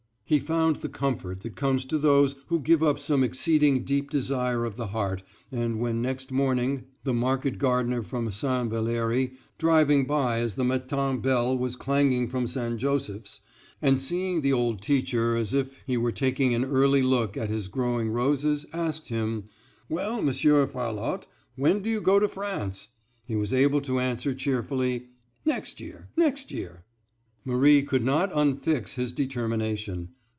He found the comfort that comes to those who give up some exceeding deep desire of the heart, and when next morning the market gardener from St. Valérie, driving by as the matin bell was clanging from St. Joseph's, and seeing the old teacher as if he were taking an early look at his growing roses, asked him, "Well, Monsieur Farlotte, when do you go to France?" he was able to answer cheerfully, "Next year—next year." Marie could not unfix his determination.